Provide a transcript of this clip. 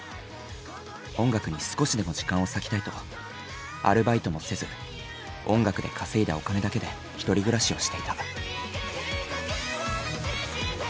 音楽に少しでも時間を割きたいとアルバイトもせず音楽で稼いだお金だけで１人暮らしをしていた。